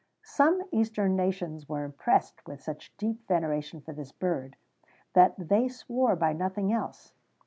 [XVII 55] Some eastern nations were impressed with such deep veneration for this bird that they swore by nothing else.